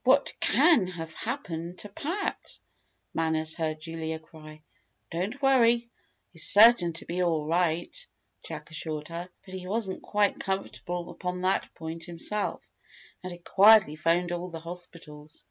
"What can have happened to Pat!" Manners heard Juliet cry. "Don't worry. He's certain to be all right," Jack assured her. But he wasn't quite comfortable upon that point himself and had quietly 'phoned all the hospitals.